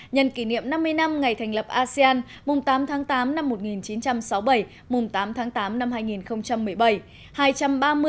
nhân kỷ niệm năm mươi năm ngày thành lập asean mùng tám tháng tám năm một nghìn chín trăm sáu mươi bảy mùng tám tháng tám năm hai nghìn một mươi bảy